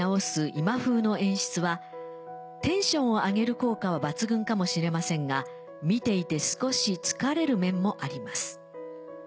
今風の演出はテンションを上げる効果は抜群かもしれませんが見ていて少し疲れる面もあります。